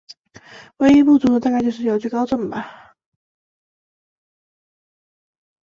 唯一不足的大概就是有惧高症吧。